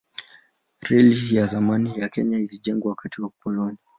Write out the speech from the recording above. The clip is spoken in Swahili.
Reli ya zamani ya Kenya ilijengwa wakati wa ukoloni.